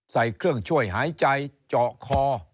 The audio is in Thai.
ใส่เครื่องช่วยหายใจเจาะคอ